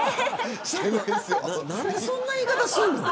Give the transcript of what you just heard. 何でそんな言い方すんの。